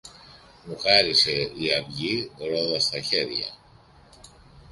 μου χάρισε η αυγή ρόδα στα χέρια.